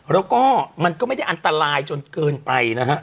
แล้วก็มันก็ไม่ได้อันตรายจนเกินไปนะฮะ